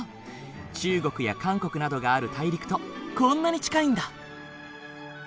中国や韓国などがある大陸とこんなに近いんだ。